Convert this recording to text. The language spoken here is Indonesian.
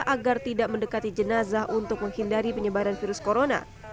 agar tidak mendekati jenazah untuk menghindari penyebaran virus corona